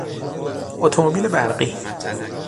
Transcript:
اتومبیل برقی